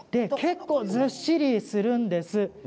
結構ずっしりするんです。